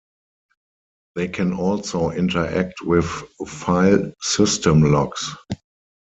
They can also interact with file system locks.